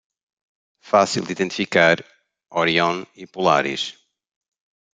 Fácil de identificar Orion e Polaris